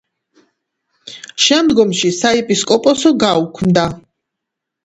შემდგომში საეპისკოპოსო გაუქმდა.